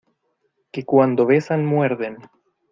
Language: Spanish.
que cuando besan muerden.